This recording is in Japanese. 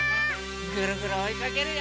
ぐるぐるおいかけるよ！